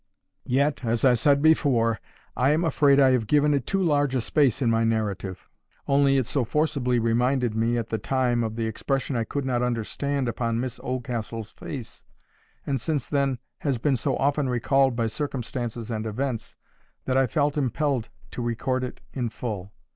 Yet, as I said before, I am afraid I have given it too large a space in my narrative. Only it so forcibly reminded me at the time of the expression I could not understand upon Miss Oldcastle's face, and since then has been so often recalled by circumstances and events, that I felt impelled to record it in full.